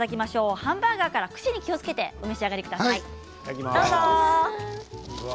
ハンバーガーから串に気をつけてお召し上がりください。